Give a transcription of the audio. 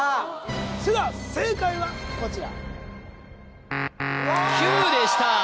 それでは正解はこちら９でした！